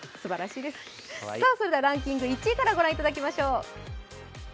それではランキング１位からご覧いただきましょう。